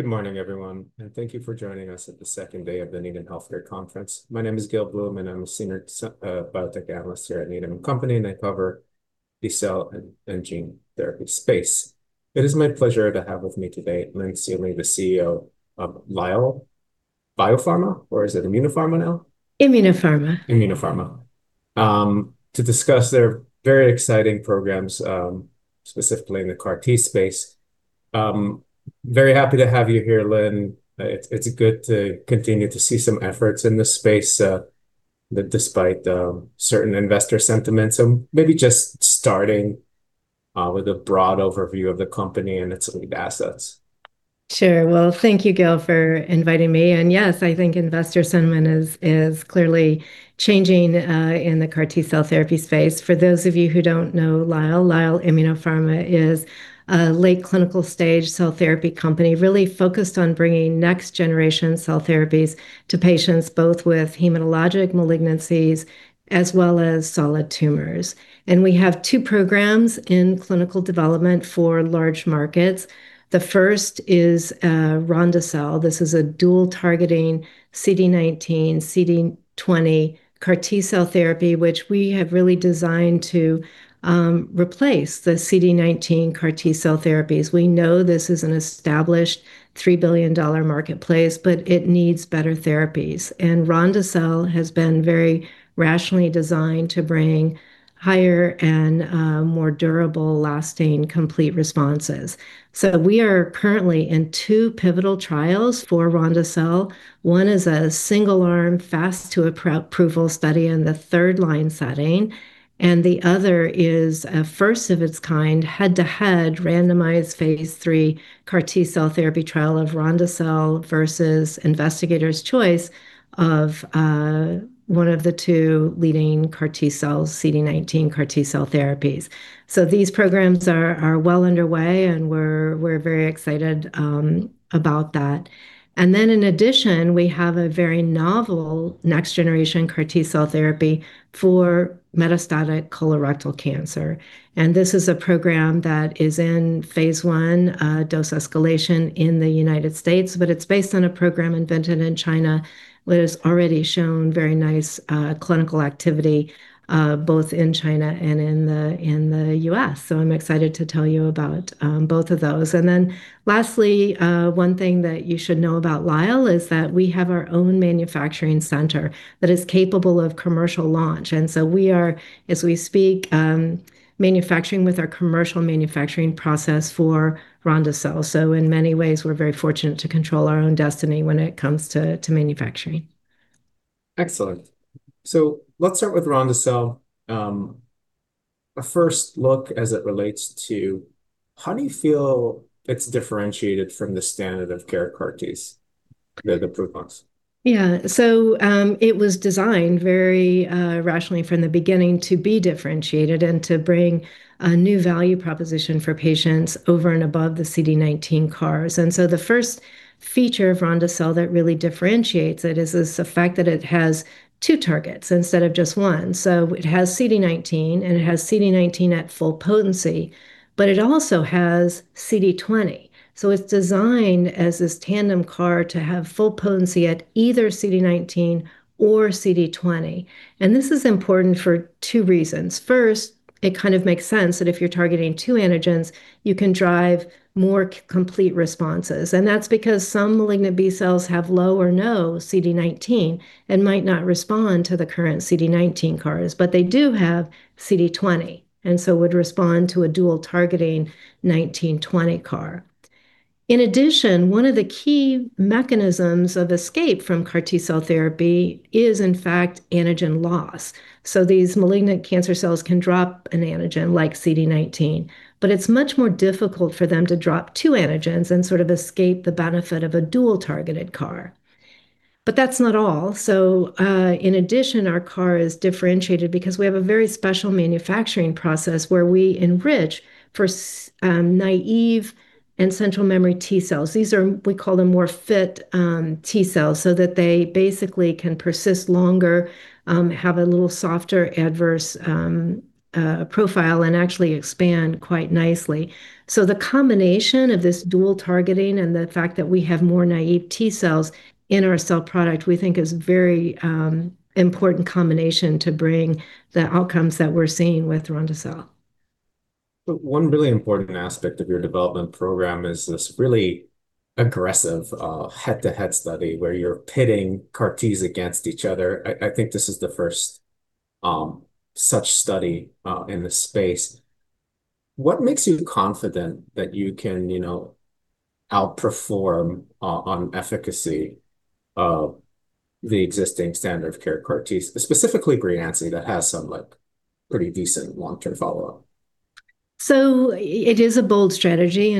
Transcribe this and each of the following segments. Good morning, everyone, and thank you for joining us at the second day of the Needham Healthcare Conference. My name is Gil Blum, and I'm a Senior Biotech Analyst here at Needham & Company, and I cover the cell and gene therapy space. It is my pleasure to have with me today Lynn Seely, the CEO of Lyell Biopharma, or is it Immunopharma now? Immunopharma. Lyell Immunopharma to discuss their very exciting programs, specifically in the CAR T space. Very happy to have you here, Lynn. It's good to continue to see some efforts in this space, despite certain investor sentiments. Maybe just starting with a broad overview of the company and its lead assets. Sure. Well, thank you Gil, for inviting me. Yes, I think investor sentiment is clearly changing in the CAR T-cell therapy space. For those of you who don't know Lyell Immunopharma is a late clinical-stage cell therapy company really focused on bringing next-generation cell therapies to patients, both with hematologic malignancies as well as solid tumors. We have two programs in clinical development for large markets. The first is ronde-cel. This is a dual-targeting CD19/CD20 CAR T-cell therapy, which we have really designed to replace the CD19 CAR T-cell therapies. We know this is an established $3 billion marketplace, but it needs better therapies. Ronde-cel has been very rationally designed to bring higher and more durable, lasting complete responses. We are currently in two pivotal trials for ronde-cel. One is a single-arm fast-to-approval study in the third-line setting, and the other is a first-of-its-kind, head-to-head randomized phase III CAR T-cell therapy trial of ronde-cel versus investigator's choice of one of the two leading CAR T-cell CD19 CAR T-cell therapies. These programs are well underway, and we're very excited about that. In addition, we have a very novel next-generation CAR T-cell therapy for metastatic colorectal cancer. This is a program that is in phase I dose escalation in the United States, but it's based on a program invented in China that has already shown very nice clinical activity, both in China and in the US. I'm excited to tell you about both of those. Lastly, one thing that you should know about Lyell is that we have our own manufacturing center that is capable of commercial launch. We are, as we speak, manufacturing with our commercial manufacturing process for ronde-cel, so in many ways, we're very fortunate to control our own destiny when it comes to manufacturing. Excellent. Let's start with ronde-cel. A first look as it relates to how do you feel it's differentiated from the standard of care CAR Ts, the approved ones? Yeah. It was designed very rationally from the beginning to be differentiated and to bring a new value proposition for patients over and above the CD19 CARs. The first feature of ronde-cel that really differentiates it is the fact that it has two targets instead of just one. It has CD19, and it has CD19 at full potency, but it also has CD20. It's designed as this Tandem CAR to have full potency at either CD19 or CD20. This is important for two reasons. First, it kind of makes sense that if you're targeting two antigens, you can drive more complete responses. That's because some malignant B cells have low or no CD19 and might not respond to the current CD19 CARs, but they do have CD20, and so would respond to a dual targeting 19/20 CAR. One of the key mechanisms of escape from CAR T-cell therapy is in fact antigen loss. These malignant cancer cells can drop an antigen like CD19, but it's much more difficult for them to drop two antigens and sort of escape the benefit of a dual targeted CAR. That's not all. Our CAR is differentiated because we have a very special manufacturing process where we enrich for naive and central memory T cells. These are, we call them more fit T cells, so that they basically can persist longer, have a little softer adverse profile, and actually expand quite nicely. The combination of this dual targeting and the fact that we have more naive T cells in our cell product, we think is very important combination to bring the outcomes that we're seeing with ronde-cel. One really important aspect of your development program is this really aggressive head-to-head study where you're pitting CAR Ts against each other. I think this is the first such study in this space. What makes you confident that you can outperform on efficacy of the existing standard of care CAR Ts, specifically Breyanzi, that has some pretty decent long-term follow-up? It is a bold strategy.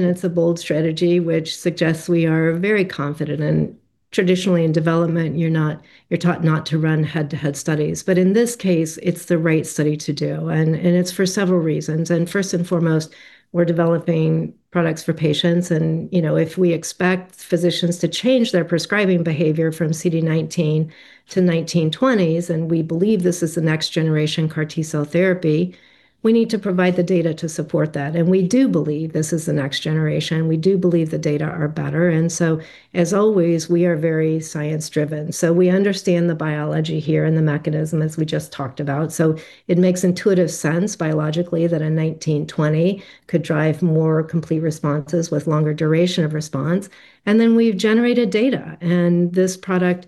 Traditionally in development, you're taught not to run head-to-head studies. In this case, it's the right study to do, and it's for several reasons. First and foremost, we're developing products for patients. If we expect physicians to change their prescribing behavior from CD19 to 19/20s, and we believe this is the next-generation CAR T-cell therapy, we need to provide the data to support that. We do believe this is the next generation. We do believe the data are better. As always, we are very science-driven. We understand the biology here and the mechanism, as we just talked about. It makes intuitive sense biologically that a 19/20 could drive more complete responses with longer duration of response. We've generated data. This product,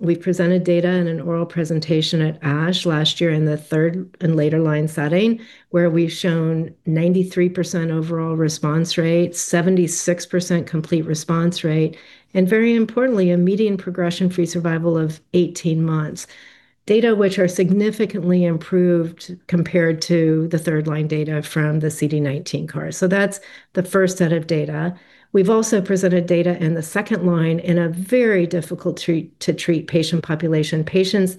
we've presented data in an oral presentation at ASH last year in the third and later line setting, where we've shown 93% overall response rate, 76% complete response rate, and very importantly, a median progression-free survival of 18 months, data which are significantly improved compared to the third line data from the CD19 CAR. That's the first set of data. We've also presented data in the second line in a very difficult to treat patient population, patients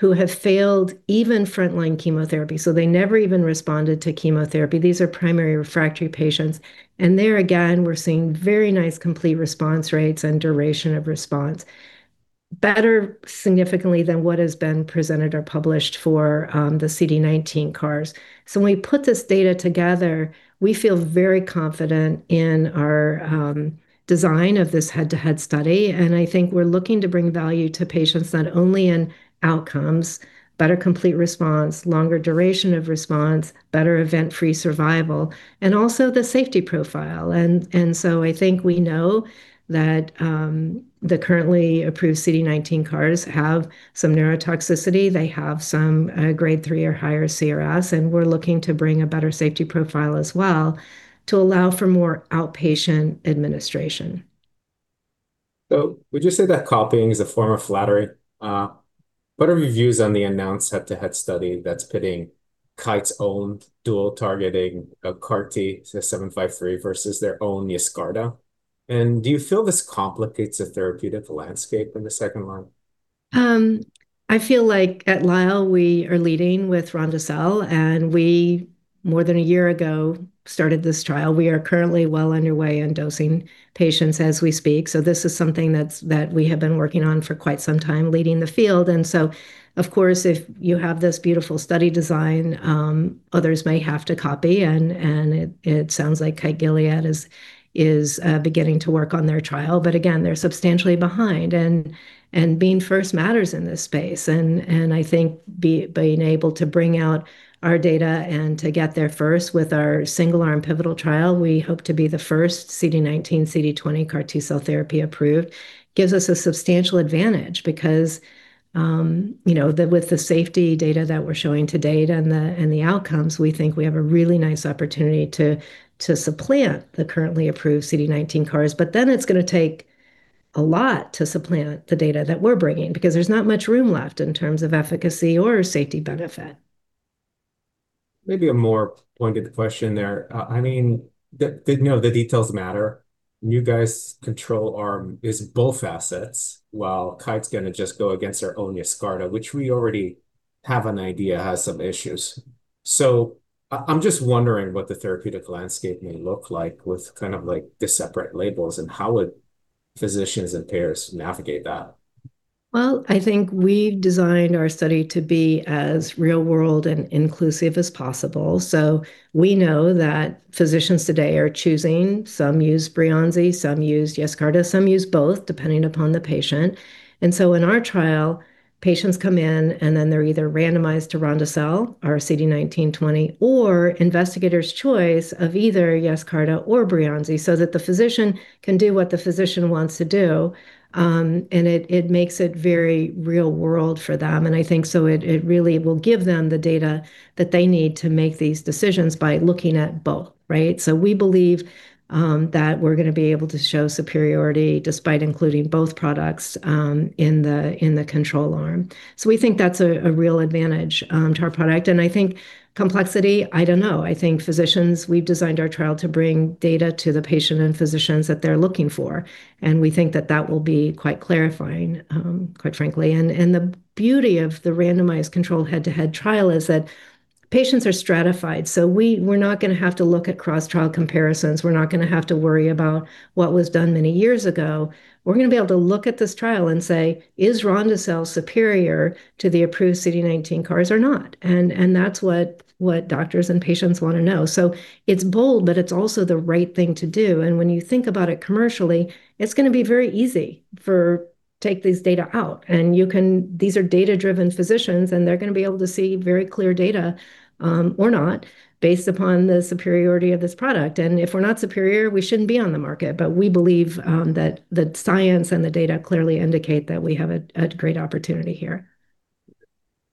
who have failed even frontline Chemotherapy. They never even responded to Chemotherapy. These are primary refractory patients. There again, we're seeing very nice complete response rates and duration of response, better significantly than what has been presented or published for the CD19 CARs. When we put this data together, we feel very confident in our design of this head-to-head study, and I think we're looking to bring value to patients not only in outcomes, better complete response, longer duration of response, better event-free survival, and also the safety profile. I think we know that the currently approved CD19 CARs have some neurotoxicity. They have some grade three or higher CRS, and we're looking to bring a better safety profile as well to allow for more outpatient administration. Would you say that copying is a form of flattery? What are your views on the announced head-to-head study that's pitting Kite's own dual targeting of CAR T-753 versus their own YESCARTA? Do you feel this complicates the therapeutic landscape in the second line? I feel like at Lyell, we are leading with ronde-cel, and we, more than a year ago, started this trial. We are currently well on our way in dosing patients as we speak. This is something that we have been working on for quite some time, leading the field. Of course, if you have this beautiful study design, others may have to copy, and it sounds like Kite Gilead is beginning to work on their trial. Again, they're substantially behind and being first matters in this space. I think being able to bring out our data and to get there first with our single-arm pivotal trial, we hope to be the first CD19, CD20 CAR T-cell therapy approved, gives us a substantial advantage because with the safety data that we're showing to date and the outcomes, we think we have a really nice opportunity to supplant the currently approved CD19 CARs. It's going to take a lot to supplant the data that we're bringing, because there's not much room left in terms of efficacy or safety benefit. Maybe a more pointed question there. The details matter, and you guys' control arm is both assets, while Kite's going to just go against their own YESCARTA, which we already have an idea has some issues. I'm just wondering what the therapeutic landscape may look like with the separate labels, and how would physicians and payers navigate that? Well, I think we've designed our study to be as real-world and inclusive as possible. We know that physicians today are choosing, some use Breyanzi, some use YESCARTA, some use both, depending upon the patient. In our trial, patients come in, and then they're either randomized to ronde-cel, our CD19/CD20, or investigator's choice of either YESCARTA or Breyanzi, so that the physician can do what the physician wants to do, and it makes it very real-world for them. I think so it really will give them the data that they need to make these decisions by looking at both, right? We believe that we're going to be able to show superiority despite including both products in the control arm. We think that's a real advantage to our product. I think complexity, I don't know. We've designed our trial to bring data to the patient and physicians that they're looking for, and we think that that will be quite clarifying, quite frankly. The beauty of the randomized controlled head-to-head trial is that patients are stratified. We're not going to have to look at cross-trial comparisons. We're not going to have to worry about what was done many years ago. We're going to be able to look at this trial and say, "Is ronde-cel superior to the approved CD19 CARs or not?" That's what doctors and patients want to know. It's bold, but it's also the right thing to do. When you think about it commercially, it's going to be very easy to take these data out. These are data-driven physicians, and they're going to be able to see very clear data, or not, based upon the superiority of this product. If we're not superior, we shouldn't be on the market. We believe that the science and the data clearly indicate that we have a great opportunity here.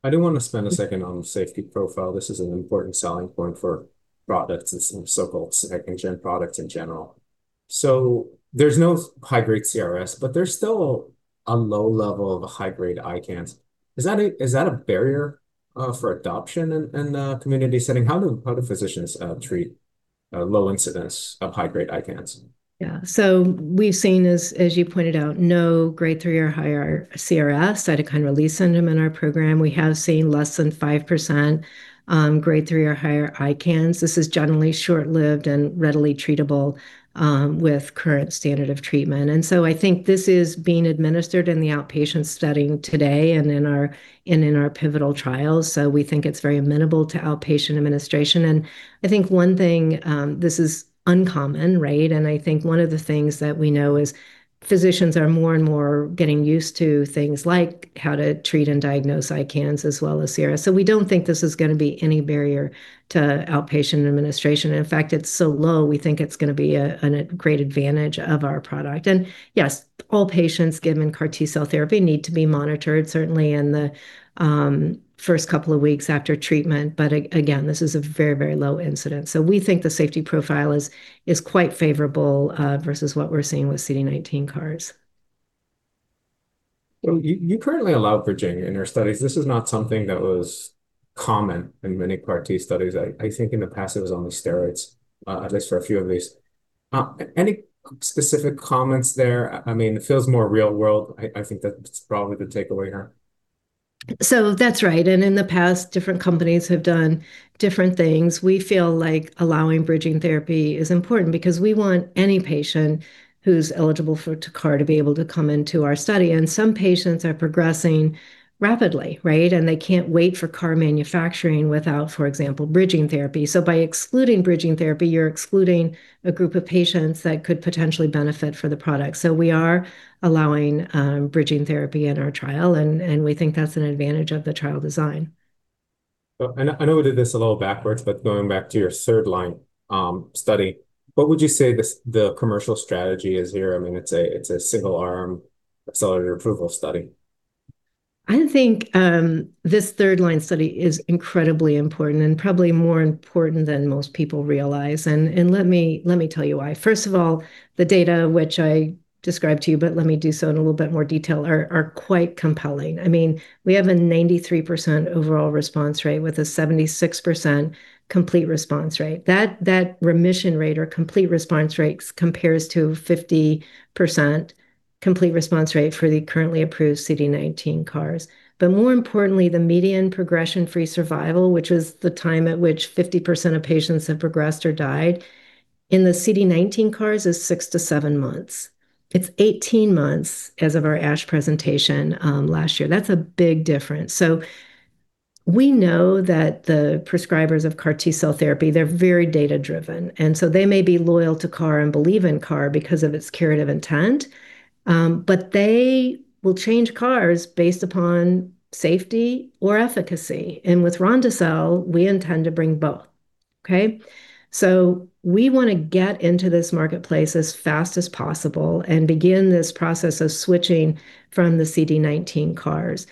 I do want to spend a second on the safety profile. This is an important selling point for products and some so-called 2nd-gen products in general. There's no high-grade CRS, but there's still a low level of high-grade ICANS. Is that a barrier for adoption in a community setting? How do physicians treat a low incidence of high-grade ICANS? Yeah. We've seen, as you pointed out, no Grade 3 or higher CRS, cytokine release syndrome, in our program. We have seen less than 5% Grade 3 or higher ICANS. This is generally short-lived and readily treatable with current standard of treatment. I think this is being administered in the outpatient setting today and in our pivotal trials. We think it's very amenable to outpatient administration. I think one thing, this is uncommon, right? I think one of the things that we know is physicians are more and more getting used to things like how to treat and diagnose ICANS, as well as CRS. We don't think this is going to be any barrier to outpatient administration. In fact, it's so low, we think it's going to be a great advantage of our product. Yes, all patients given CAR T-cell therapy need to be monitored, certainly in the first couple of weeks after treatment. Again, this is a very low incidence. We think the safety profile is quite favorable, versus what we're seeing with CD19 CARs. You currently allow bridging in your studies. This is not something that was common in many CAR T studies. I think in the past, it was only steroids, at least for a few of these. Any specific comments there? It feels more real-world. I think that's probably the takeaway here. That's right. In the past, different companies have done different things. We feel like allowing bridging therapy is important, because we want any patient who's eligible for CAR to be able to come into our study. Some patients are progressing rapidly, right? They can't wait for CAR manufacturing without, for example, bridging therapy. By excluding bridging therapy, you're excluding a group of patients that could potentially benefit from the product. We are allowing bridging therapy in our trial, and we think that's an advantage of the trial design. Well, I know we did this a little backwards. Going back to your third-line study, what would you say the commercial strategy is here? It's a single-arm accelerated approval study. I think this third-line study is incredibly important and probably more important than most people realize. Let me tell you why. First of all, the data which I described to you, but let me do so in a little bit more detail, are quite compelling. We have a 93% overall response rate with a 76% complete response rate. That remission rate or complete response rate compares to 50% complete response rate for the currently approved CD19 CARs. More importantly, the median progression-free survival, which is the time at which 50% of patients have progressed or died, in the CD19 CARs is six to seven months. It's 18 months as of our ASH presentation last year. That's a big difference. We know that the prescribers of CAR T-cell therapy, they're very data-driven, and so they may be loyal to CAR and believe in CAR because of its curative intent. They will change CARs based upon safety or efficacy. With ronde-cel, we intend to bring both. Okay? We want to get into this marketplace as fast as possible and begin this process of switching from the CD19 CARs.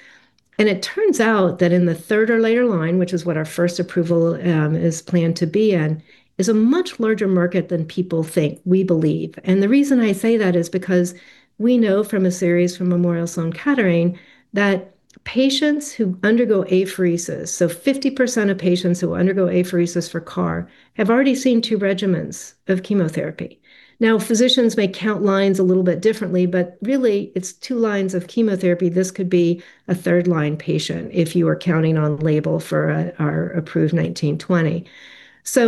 It turns out that in the third or later line, which is what our first approval is planned to be in, is a much larger market than people think, we believe. The reason I say that is because we know from a series from Memorial Sloan Kettering, that patients who undergo apheresis, so 50% of patients who undergo apheresis for CAR have already seen two regimens of chemotherapy. Now, physicians may count lines a little bit differently, but really, it's two lines of chemotherapy. This could be a third-line patient if you are counting on-label for our approved 19/20.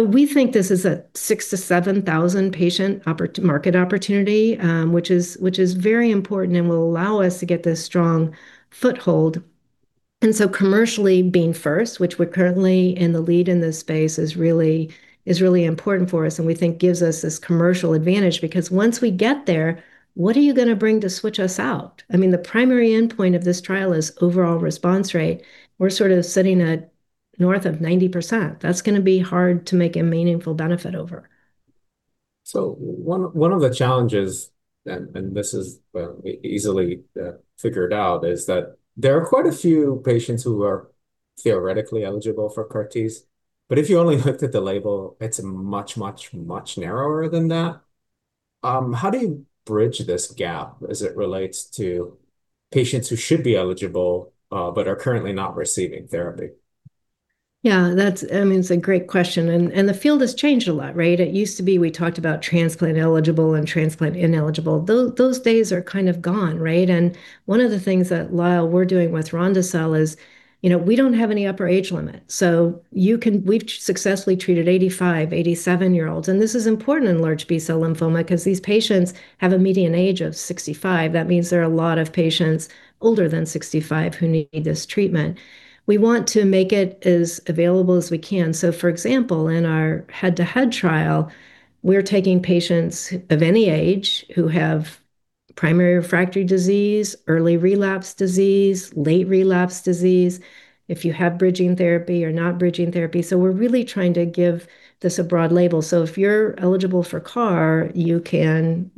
We think this is a 6,000 to 7,000 patient market opportunity, which is very important and will allow us to get this strong foothold. Commercially, being first, which we're currently in the lead in this space, is really important for us and we think gives us this commercial advantage. Because once we get there, what are you going to bring to switch us out? The primary endpoint of this trial is overall response rate. We're sort of sitting at north of 90%. That's going to be hard to make a meaningful benefit over. One of the challenges, and this is, well, easily figured out, is that there are quite a few patients who are theoretically eligible for CAR Ts, but if you only looked at the label, it's much, much, much narrower than that. How do you bridge this gap as it relates to patients who should be eligible, but are currently not receiving therapy? Yeah. That's a great question. The field has changed a lot, right? It used to be we talked about transplant eligible and transplant ineligible. Those days are kind of gone, right? One of the things that Lyell we're doing with ronde-cel is we don't have any upper age limit. We've successfully treated 85, 87-year-olds, and this is important in large B-cell lymphoma because these patients have a median age of 65. That means there are a lot of patients older than 65 who need this treatment. We want to make it as available as we can. For example, in our head-to-head trial, we're taking patients of any age who have primary refractory disease, early relapse disease, late relapse disease, if you have bridging therapy or not bridging therapy. We're really trying to give this a broad label. If you're eligible for CAR, you can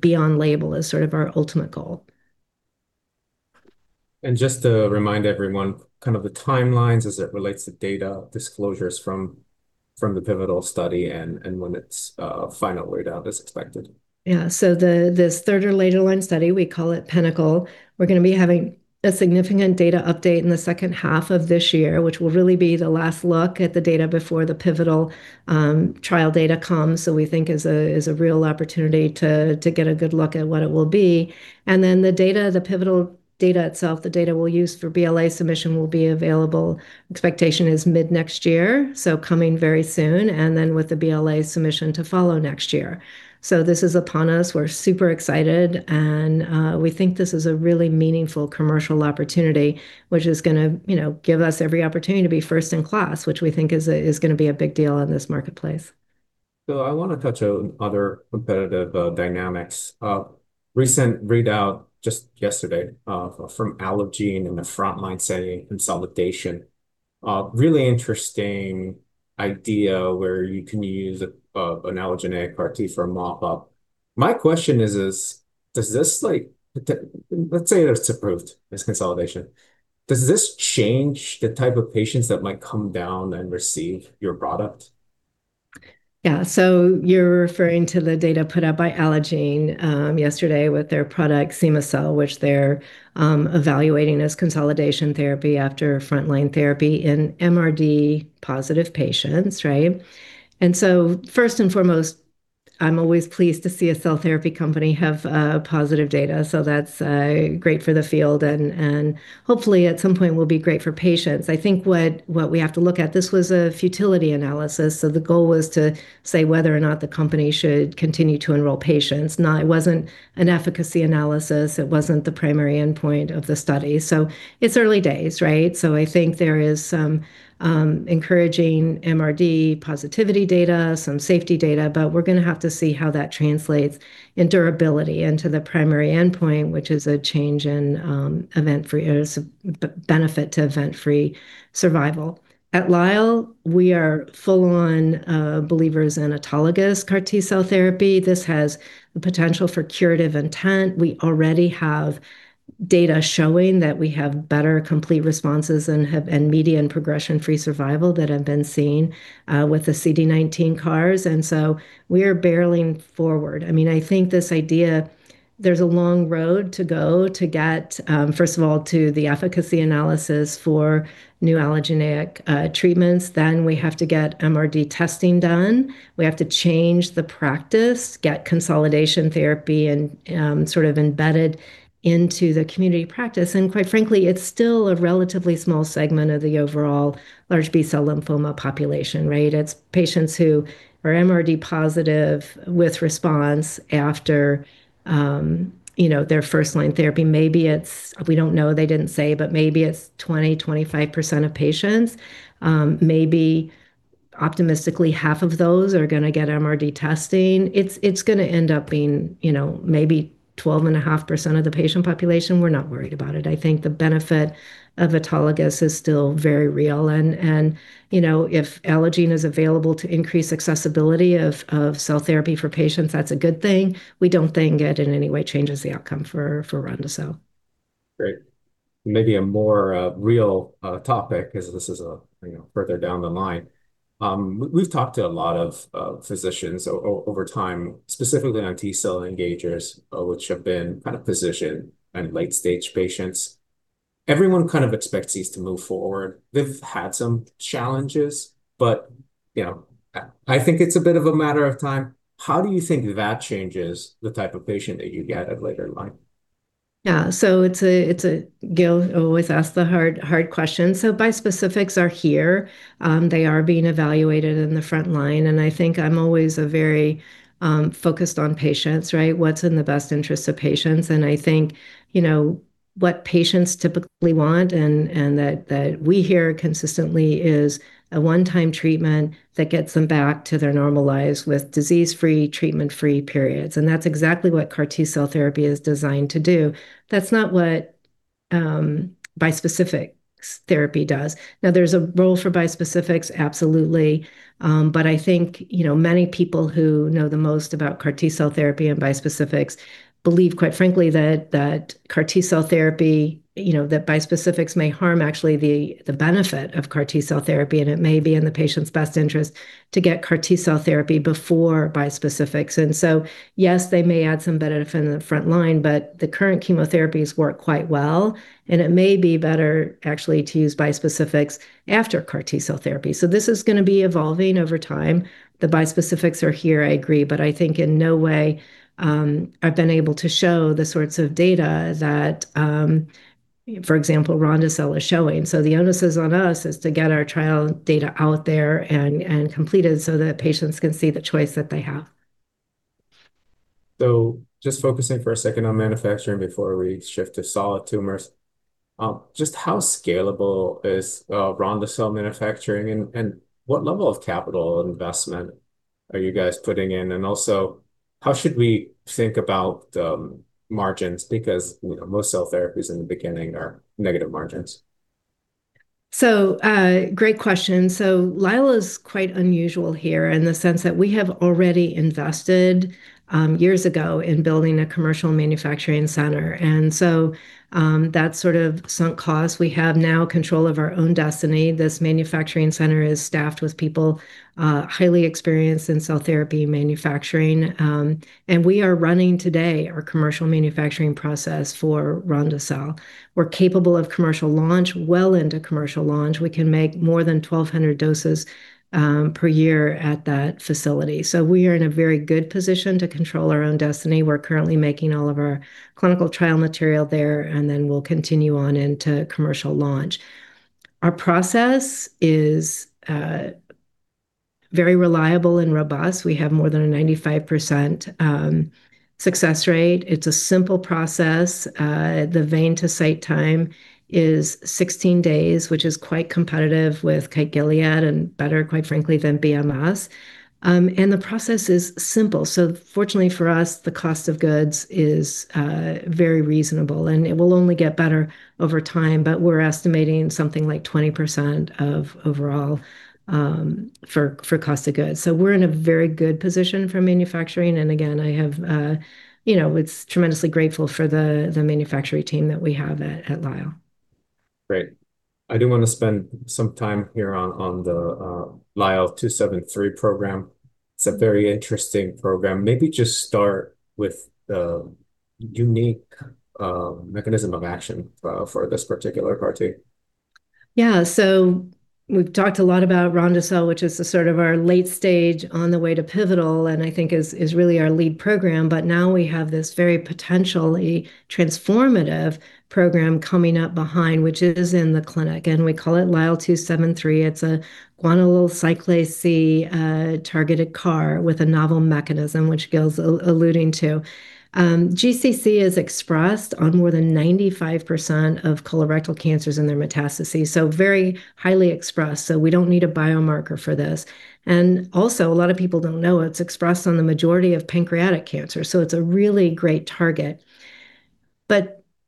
be on-label, is sort of our ultimate goal. Just to remind everyone, the timelines as it relates to data disclosures from the pivotal study and when its final readout is expected. Yeah. This third or later-line study, we call it PINNACLE. We're going to be having a significant data update in the second half of this year, which will really be the last look at the data before the pivotal trial data comes. We think is a real opportunity to get a good look at what it will be. The data, the pivotal data itself, the data we'll use for BLA submission will be available. Expectation is mid-next year, so coming very soon, with the BLA submission to follow next year. This is upon us. We're super excited and we think this is a really meaningful commercial opportunity, which is going to give us every opportunity to be first-in-class, which we think is going to be a big deal in this marketplace. I want to touch on other competitive dynamics, recent readout just yesterday from Allogene in the frontline setting consolidation, really interesting idea where you can use an allogeneic CAR T for a mop-up. My question is, let's say it's approved, this consolidation, does this change the type of patients that might come down and receive your product? Yeah. You're referring to the data put out by Allogene yesterday with their product, cema-cel, which they're evaluating as consolidation therapy after frontline therapy in MRD-positive patients, right? First and foremost, I'm always pleased to see a cell therapy company have positive data, so that's great for the field and hopefully at some point will be great for patients. I think what we have to look at, this was a futility analysis, so the goal was to say whether or not the company should continue to enroll patients. Now, it wasn't an efficacy analysis. It wasn't the primary endpoint of the study. It's early days, right? I think there is some encouraging MRD positivity data, some safety data, but we're going to have to see how that translates in durability into the primary endpoint, which is a change in event-free or benefit to event-free survival. At Lyell, we are full-on believers in autologous CAR T-cell therapy. This has the potential for curative intent. We already have data showing that we have better complete responses and median progression-free survival that have been seen with the CD19 CARs. We are barreling forward. I think this idea, there's a long road to go to get, first of all, to the efficacy analysis for new allogeneic treatments, then we have to get MRD testing done. We have to change the practice, get consolidation therapy and sort of embedded into the community practice. Quite frankly, it's still a relatively small segment of the overall large B-cell lymphoma population, right? It's patients who are MRD positive with response after their first-line therapy. We don't know, they didn't say, but maybe it's 20%, 25% of patients. Maybe optimistically, half of those are going to get MRD testing. It's going to end up being maybe 12.5% of the patient population. We're not worried about it. I think the benefit of autologous is still very real, and if Allogene is available to increase accessibility of cell therapy for patients, that's a good thing. We don't think it in any way changes the outcome for ronde-cel. Great. Maybe a more real topic, because this is further down the line. We've talked to a lot of physicians over time, specifically on T-cell engagers, which have been kind of positioned in late-stage patients. Everyone kind of expects these to move forward. They've had some challenges, but I think it's a bit of a matter of time. How do you think that changes the type of patient that you get at later line? Yeah. Gil always asks the hard questions. Bispecifics are here. They are being evaluated in the front line, and I think I'm always very focused on patients, right? What's in the best interest of patients? I think what patients typically want and that we hear consistently is a one-time treatment that gets them back to their normal lives with disease-free, treatment-free periods. That's exactly what CAR T-cell therapy is designed to do. That's not what bispecific therapy does. Now, there's a role for Bispecifics, absolutely. I think many people who know the most about CAR T-cell therapy and Bispecifics believe, quite frankly, that Bispecifics may harm actually the benefit of CAR T-cell therapy, and it may be in the patient's best interest to get CAR T-cell therapy before Bispecifics. Yes, they may add some benefit in the front line, but the current chemotherapies work quite well, and it may be better actually to use Bispecifics after CAR T-cell therapy. This is going to be evolving over time. The Bispecifics are here, I agree, but I think in no way they've been able to show the sorts of data that, for example, ronde-cel is showing. The onus is on us is to get our trial data out there and completed so that patients can see the choice that they have. Just focusing for a second on manufacturing before we shift to solid tumors, just how scalable is ronde-cel manufacturing, and what level of capital investment are you guys putting in? Also, how should we think about margins because most cell therapies in the beginning are negative margins? Great question. Lyell's quite unusual here in the sense that we have already invested years ago in building a commercial manufacturing center. That sort of sunk cost, we have now control of our own destiny. This manufacturing center is staffed with people, highly experienced in cell therapy manufacturing. We are running today our commercial manufacturing process for ronde-cel. We're capable of commercial launch, well into commercial launch. We can make more than 1,200 doses per year at that facility. We are in a very good position to control our own destiny. We're currently making all of our clinical trial material there, and then we'll continue on into commercial launch. Our process is very reliable and robust. We have more than a 95% success rate. It's a simple process. The vein-to-site time is 16 days, which is quite competitive with Kite Gilead and better, quite frankly, than BMS. The process is simple. Fortunately for us, the cost of goods is very reasonable and it will only get better over time. We're estimating something like 20% of overall for cost of goods. We're in a very good position for manufacturing. Again, I'm tremendously grateful for the manufacturing team that we have at Lyell. Great. I do want to spend some time here on the LYL273 program. It's a very interesting program. Maybe just start with the unique mechanism of action for this particular CAR T. Yeah. We've talked a lot about ronde-cel, which is the sort of our late stage on the way to pivotal and I think is really our lead program. Now we have this very potentially transformative program coming up behind, which is in the clinic, and we call it LYL273. It's a Guanylyl Cyclase C-targeted CAR with a novel mechanism which Gil's alluding to. GCC is expressed on more than 95% of colorectal cancers in their metastases, so very highly expressed. We don't need a biomarker for this. Also, a lot of people don't know it's expressed on the majority of pancreatic cancer. It's a really great target.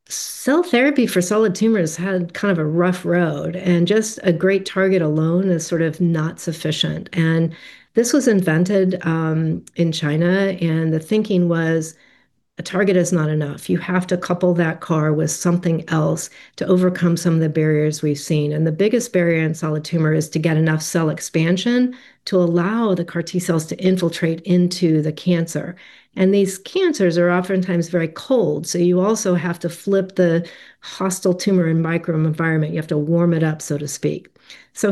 Cell therapy for solid tumors had kind of a rough road, and just a great target alone is sort of not sufficient. This was invented in China, and the thinking was, a target is not enough. You have to couple that CAR with something else to overcome some of the barriers we've seen. The biggest barrier in solid tumor is to get enough cell expansion to allow the CAR T-cells to infiltrate into the cancer. These cancers are oftentimes very cold. You also have to flip the hostile tumor and microenvironment. You have to warm it up, so to speak.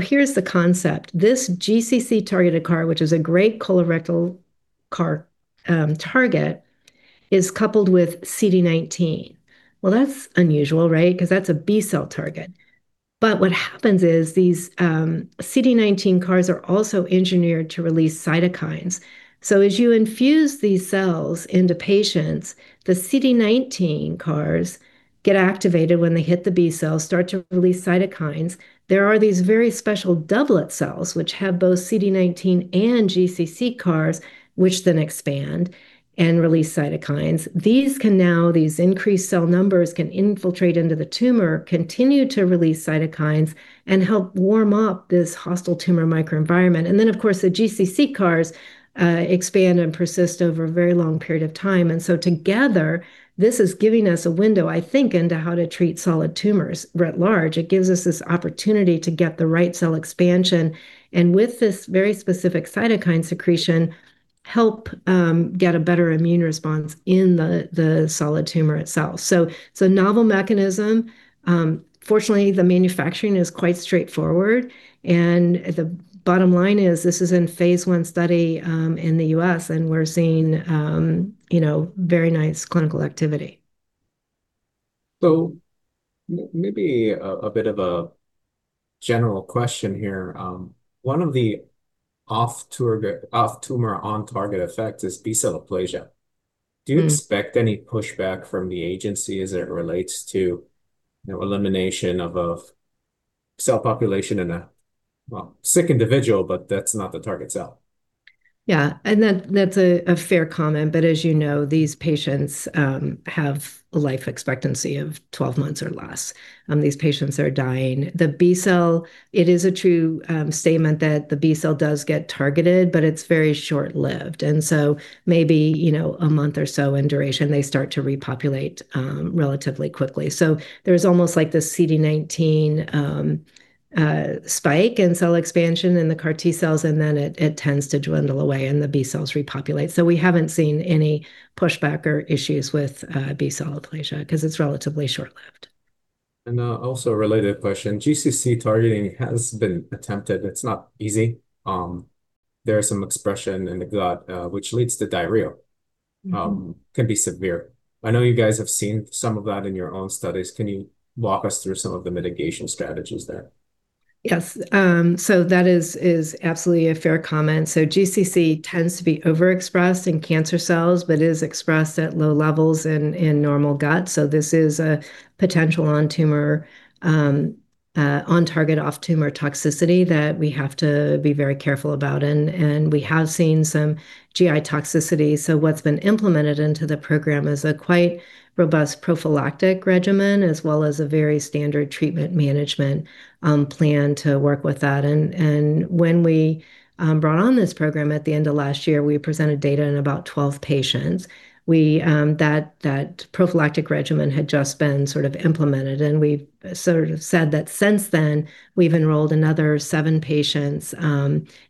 Here's the concept. This GCC-targeted CAR, which is a great colorectal CAR target, is coupled with CD19. Well, that's unusual, right, because that's a B-cell target? What happens is these CD19 CARs are also engineered to release cytokines. As you infuse these cells into patients, the CD19 CARs get activated when they hit the B-cells, start to release cytokines. There are these very special doublet cells which have both CD19 and GCC CARs, which then expand and release cytokines. These increased cell numbers can infiltrate into the tumor, continue to release cytokines, and help warm up this hostile tumor microenvironment. Of course, the GCC CARs expand and persist over a very long period of time. Together, this is giving us a window, I think, into how to treat solid tumors writ large. It gives us this opportunity to get the right cell expansion, and with this very specific cytokine secretion, help get a better immune response in the solid tumor itself. Novel mechanism. Fortunately, the manufacturing is quite straightforward. The bottom line is this is in phase I study in the US, and we're seeing very nice clinical activity. Maybe a bit of a general question here. One of the off-tumor, on-target effects is B-cell aplasia. Mm-hmm. Do you expect any pushback from the agency as it relates to elimination of a cell population in a, well, sick individual, but that's not the target cell? Yeah, that's a fair comment. As you know, these patients have a life expectancy of 12 months or less. These patients are dying. The B-cell, it is a true statement that the B-cell does get targeted, but it's very short-lived. Maybe a month or so in duration, they start to repopulate relatively quickly. There's almost like this CD19 spike in cell expansion in the CAR T-cells, and then it tends to dwindle away, and the B-cells repopulate. We haven't seen any pushback or issues with B-cell aplasia because it's relatively short-lived. Also a related question. GCC targeting has been attempted. It's not easy. There is some expression in the gut, which leads to diarrhea. Mm-hmm. can be severe. I know you guys have seen some of that in your own studies. Can you walk us through some of the mitigation strategies there? Yes. That is absolutely a fair comment. GCC tends to be overexpressed in cancer cells, but is expressed at low levels in normal gut. This is a potential on-target off-tumor toxicity that we have to be very careful about. We have seen some GI toxicity, so what's been implemented into the program is a quite robust prophylactic regimen, as well as a very standard treatment management plan to work with that. When we brought on this program at the end of last year, we presented data in about 12 patients. That prophylactic regimen had just been sort of implemented, and we've sort of said that since then, we've enrolled another seven patients,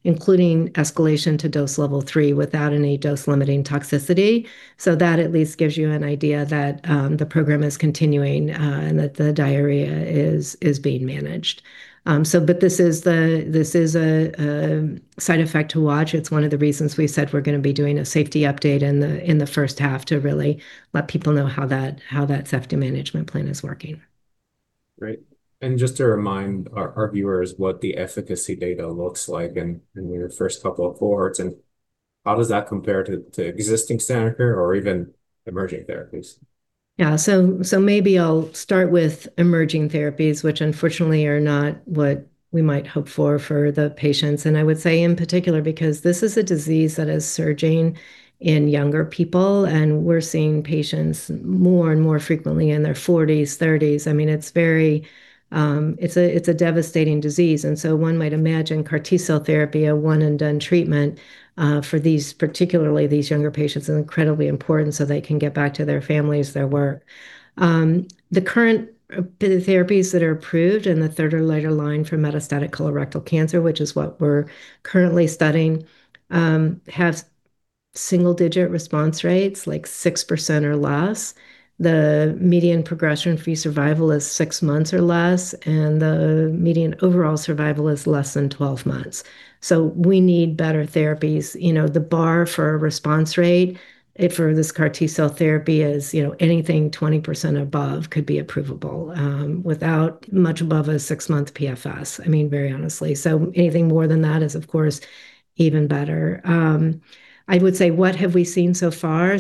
including escalation to dose level three without any dose-limiting toxicity. That at least gives you an idea that the program is continuing, and that the diarrhea is being managed. This is a side effect to watch. It's one of the reasons we said we're going to be doing a safety update in the first half to really let people know how that safety management plan is working. Great. Just to remind our viewers what the efficacy data looks like in your first couple of cohorts, and how does that compare to existing standard care or even emerging therapies? Yeah. Maybe I'll start with emerging therapies, which unfortunately are not what we might hope for the patients. I would say in particular, because this is a disease that is surging in younger people, and we're seeing patients more and more frequently in their 40s, 30s. I mean, it's a devastating disease. One might imagine CAR T-cell therapy, a one-and-done treatment, for these, particularly these younger patients, is incredibly important so they can get back to their families, their work. The current therapies that are approved in the third or later line for metastatic colorectal cancer, which is what we're currently studying, has single-digit response rates, like 6% or less. The median progression-free survival is six months or less, and the median overall survival is less than 12 months. We need better therapies. The bar for a response rate for this CAR T-cell therapy is anything 20% above could be approvable, without much above a six-month PFS. I mean, very honestly. Anything more than that is, of course, even better. I would say, what have we seen so far?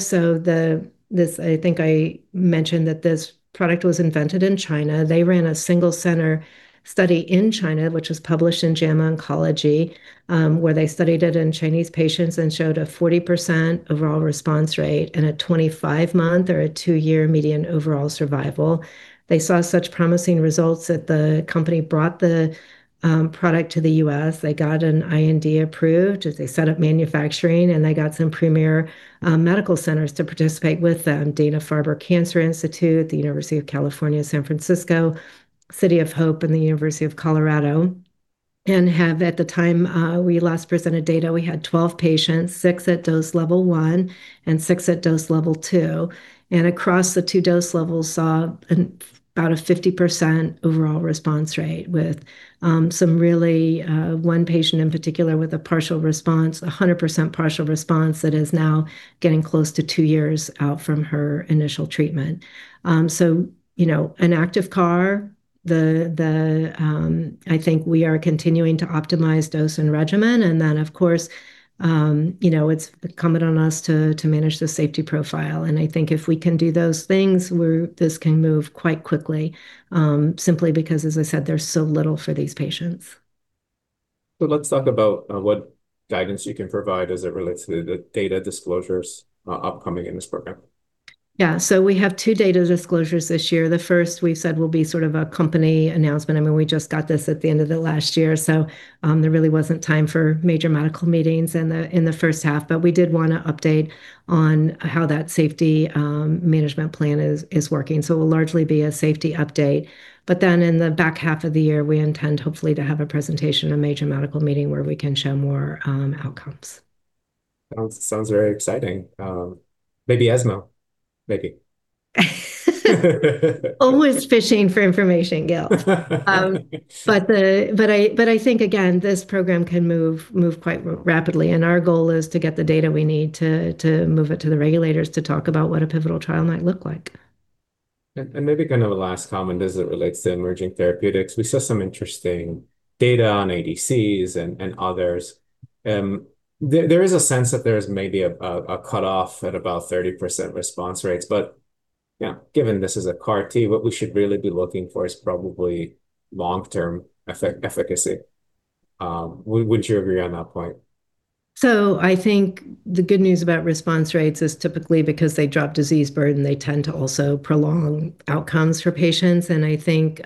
I think I mentioned that this product was invented in China. They ran a single center study in China, which was published in JAMA Oncology, where they studied it in Chinese patients and showed a 40% overall response rate and a 25 month or a two year median overall survival. They saw such promising results that the company brought the product to the US. They got an IND approved as they set up manufacturing, and they got some premier medical centers to participate with them, Dana-Farber Cancer Institute, the University of California, San Francisco, City of Hope, and the University of Colorado. At the time we last presented data, we had 12 patients, six at dose level one and six at dose level two. Across the two dose levels, saw about a 50% overall response rate with one patient in particular with a partial response, 100% partial response, that is now getting close to two years out from her initial treatment. An active CAR. I think we are continuing to optimize dose and regimen, and then, of course, it's incumbent on us to manage the safety profile. I think if we can do those things, this can move quite quickly, simply because, as I said, there's so little for these patients. Let's talk about what guidance you can provide as it relates to the data disclosures upcoming in this program. Yeah. We have two data disclosures this year. The first we've said will be sort of a company announcement. I mean, we just got this at the end of the last year, so there really wasn't time for major medical meetings in the first half. We did want to update on how that safety management plan is working. It will largely be a safety update. In the back half of the year, we intend hopefully to have a presentation, a major medical meeting where we can show more outcomes. Sounds very exciting. Maybe ESMO, maybe. Always fishing for information, Gil. I think, again, this program can move quite rapidly, and our goal is to get the data we need to move it to the regulators to talk about what a pivotal trial might look like. Maybe kind of a last comment as it relates to emerging therapeutics. We saw some interesting data on ADCs and others. There is a sense that there is maybe a cutoff at about 30% response rates. Yeah, given this is a CAR T, what we should really be looking for is probably long-term efficacy. Would you agree on that point? I think the good news about response rates is typically because they drop disease burden, they tend to also prolong outcomes for patients. I think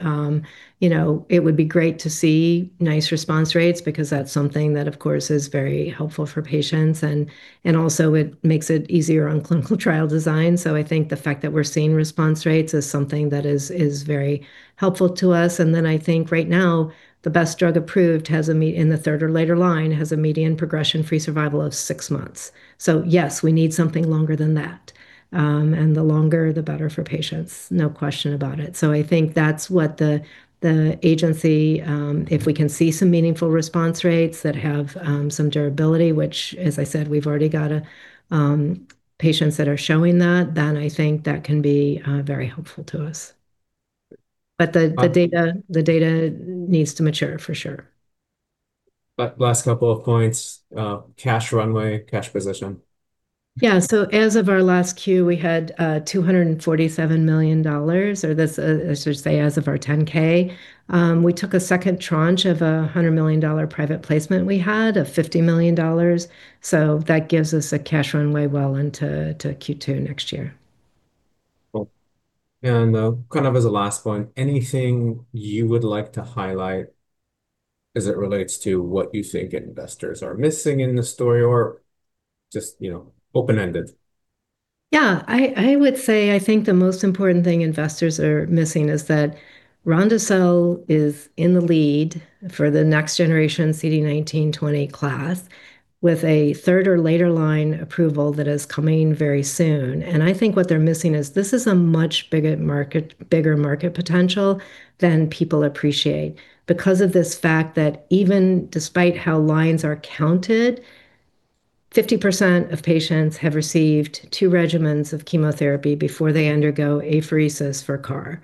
it would be great to see nice response rates because that's something that, of course, is very helpful for patients and also it makes it easier on clinical trial design. I think the fact that we're seeing response rates is something that is very helpful to us. I think right now the best drug approved in the third or later line has a median progression-free survival of six months. Yes, we need something longer than that. The longer, the better for patients, no question about it. So I think that's what the agency, if we can see some meaningful response rates that have some durability, which as I said, we've already got patients that are showing that, then I think that can be very helpful to us. But the data needs to mature, for sure. Last couple of points, cash runway, cash position. Yeah. So as of our last Q, we had $247 million, or I should say as of our 10-K. We took a second tranche of $100 million private placement we had of $50 million. So that gives us a cash runway well into Q2 next year. Cool. Kind of as a last one, anything you would like to highlight as it relates to what you think investors are missing in the story or just open-ended? Yeah. I would say I think the most important thing investors are missing is that ronde-cel is in the lead for the next generation CD19/CD20 class, with a third or later line approval that is coming very soon. I think what they're missing is this is a much bigger market potential than people appreciate because of this fact that even despite how lines are counted, 50% of patients have received two regimens of chemotherapy before they undergo apheresis for CAR.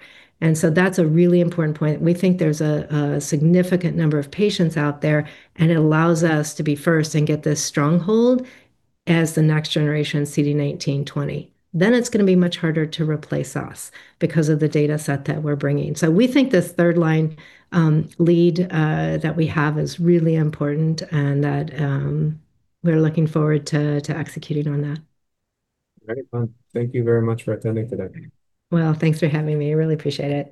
That's a really important point, and we think there's a significant number of patients out there, and it allows us to be first and get this stronghold as the next generation CD19/CD20. It's going to be much harder to replace us because of the data set that we're bringing. We think this third-line lead that we have is really important and that we're looking forward to executing on that. Very fun. Thank you very much for attending today. Well, thanks for having me. I really appreciate it.